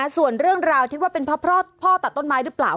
ส่วนเรื่องราวที่ว่าเป็นเพราะพ่อตัดต้นไม้หรือเปล่า